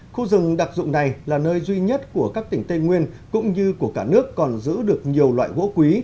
khu rừng đặc dụng này là nơi duy nhất của các tỉnh tây nguyên cũng như của cả nước còn giữ được nhiều loại gỗ quý